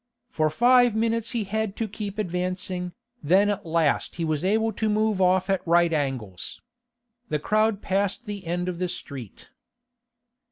For five minutes he had to keep advancing, then at last he was able to move off at right angles. The crowd passed the end of the street.